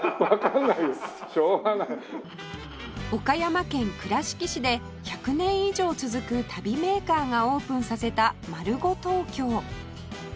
岡山県倉敷市で１００年以上続く足袋メーカーがオープンさせたマルゴトウキョウ